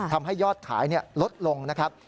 ทำให้ยอดขายลดลงนะครับ